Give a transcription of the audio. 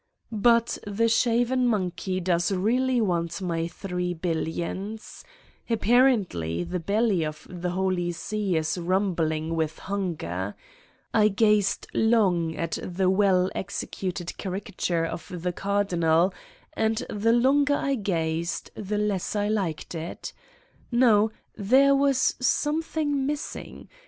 ... But the shaven monkey does really want my three billions. Apparently the belly of the Holy 79 Satan's Diary See is rumbling with hunger. I gazed long at the well executed caricature of the Cardinal and the longer I gazed, the less I liked it : no, there was something missing.